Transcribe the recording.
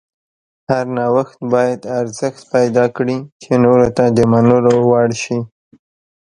هر نوښت باید ارزښت پیدا کړي چې نورو ته د منلو وړ شي.